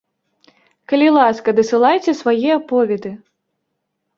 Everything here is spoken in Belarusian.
Калі ласка, дасылайце свае аповеды.